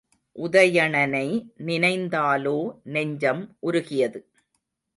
உதயணனை நினைந்தாலோ நெஞ்சம் உருகியது.